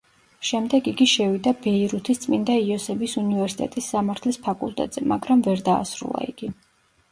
შემდეგ იგი შევიდა ბეირუთის წმინდა იოსების უნივერსიტეტის სამართლის ფაკულტეტზე, მაგრამ ვერ დაასრულა იგი.